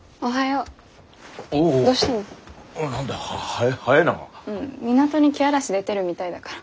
うん港にけあらし出てるみたいだから。